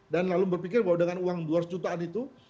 dan lalu berpikir bahwa dengan uang dua ratus jutaan itu